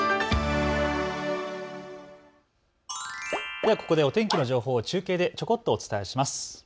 ではここでお天気の情報を中継でちょこっとお伝えします。